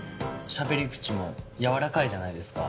しゃべり口も柔らかいじゃないですか。